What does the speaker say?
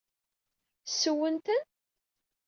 Ssewwen-ten?